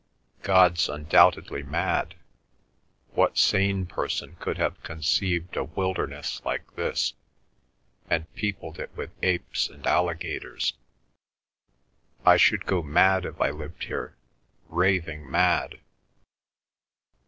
God's undoubtedly mad. What sane person could have conceived a wilderness like this, and peopled it with apes and alligators? I should go mad if I lived here—raving mad."